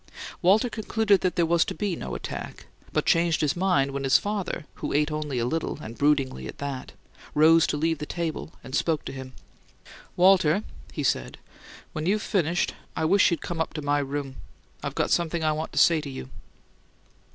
Walter concluded that there was to be no attack, but changed his mind when his father, who ate only a little, and broodingly at that, rose to leave the table and spoke to him. "Walter," he said, "when you've finished I wish you'd come up to my room. I got something I want to say to you."